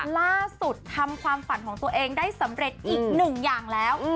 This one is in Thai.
ล่าสุดทำความฝันของตัวเองได้สำเร็จอีกหนึ่งอย่างแล้ว